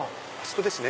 あそこですね